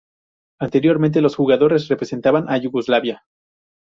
Anteriormente, los jugadores representaban a Yugoslavia.